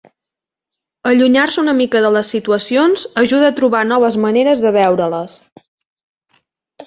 Allunyar-se una mica de les situacions ajuda a trobar noves maneres de veure-les.